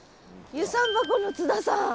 遊山箱の津田さん。